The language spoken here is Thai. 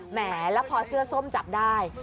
แหมแล้วพอเสื้อส้มจับได้